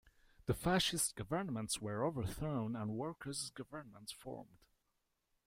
The fascist governments were overthrown, and workers' governments formed.